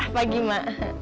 ah pagi ma